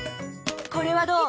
これはどう？